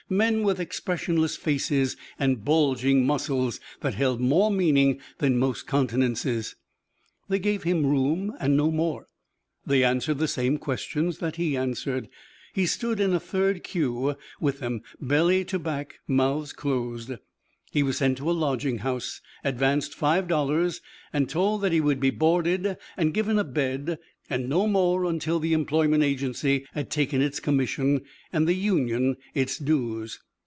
Men with expressionless faces and bulging muscles that held more meaning than most countenances. They gave him room and no more. They answered the same questions that he answered. He stood in a third queue with them, belly to back, mouths closed. He was sent to a lodging house, advanced five dollars, and told that he would be boarded and given a bed and no more until the employment agency had taken its commission, and the union its dues.